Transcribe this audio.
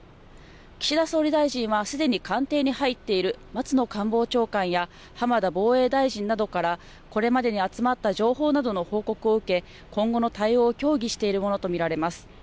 岸田総理大臣はすでに官邸に入っている松野官房長官や浜田防衛大臣などから、これまでに集まった情報などの報告を受け、今後の対応を協議しているものと見られます。